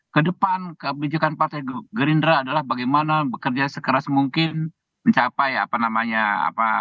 kedepan kebijakan partai gerindra adalah bagaimana bekerja sekeras mungkin mencapai apa namanya apa